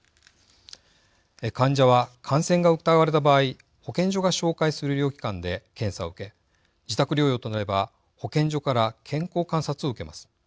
患者は、感染が疑われた場合保健所が紹介する医療機関で検査を受け自宅療養となれば保健所から健康観察を受けます。